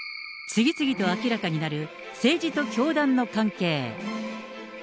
次々と明らかになる政治と教団の関係。